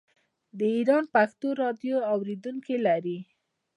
د ایران پښتو راډیو اوریدونکي لري.